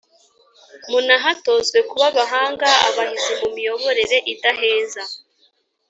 Munahatozwe kuba abahanga Abahizi mu miyoborere idaheza.